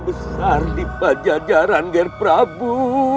besar di pajajaran ger prabu